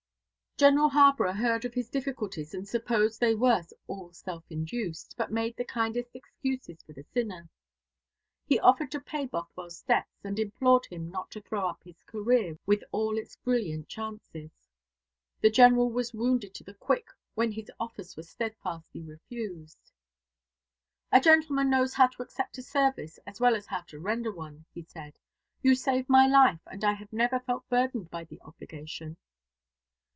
General Harborough heard of his difficulties, and supposed they were all self induced, but made the kindest excuses for the sinner. He offered to pay Bothwell's debts, and implored him not to throw up his career, with all its brilliant chances. The General was wounded to the quick when his offers were steadfastly refused. "A gentleman knows how to accept a service as well as how to render one," he said. "You saved my life, and I have never felt burdened by the obligation."